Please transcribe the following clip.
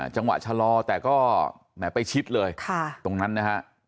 จังหวะชะลอแต่ก็แหมไปชิดเลยตรงนั้นนะฮะ